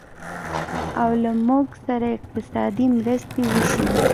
او له موږ سره اقتصادي مرستې وشي